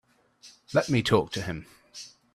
Let me talk to him.